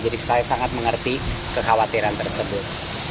jadi saya sangat mengerti kekhawatiran tersebut